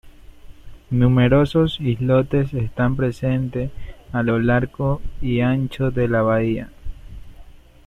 Numerosos islotes están presentes a lo largo y ancho de la Bahía.